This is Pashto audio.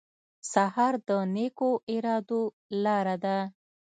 سهار د نیکو ارادو لاره ده.